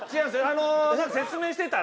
あの説明してたら。